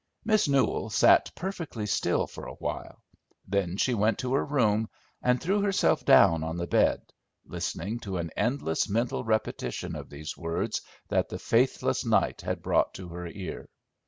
Miss Newell sat perfectly still for a while; then she went to her room, and threw herself down on the bed, listening to an endless mental repetition of those words that the faithless night had brought to her ear.